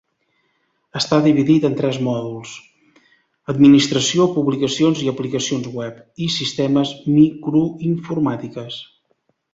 Està dividit en tres mòduls: administració, publicacions i aplicacions web, i sistemes microinformàtiques.